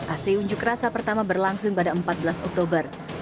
aksi unjuk rasa pertama berlangsung pada empat belas oktober